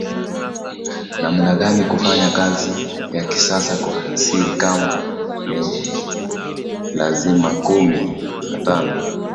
namna gani kufanya kazi ya kisasa kwa siri kama ni lazimakumi na tano